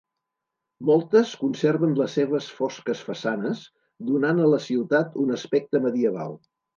Moltes conserven les seves fosques façanes, donant a la ciutat un aspecte medieval.